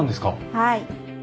はい。